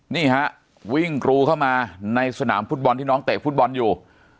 นี่ฮะวิ่งกรูเข้ามาในสนามฟุตบอลที่น้องเตะฟุตบอลอยู่